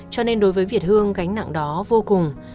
cho nên đối với việt hương gánh nặng đó vô cùng